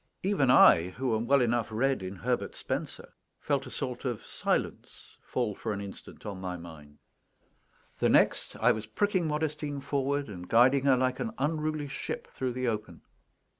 Even I, who am well enough read in Herbert Spencer, felt a sort of silence fall for an instant on my mind. The next, I was pricking Modestine forward, and guiding her like an unruly ship through the open.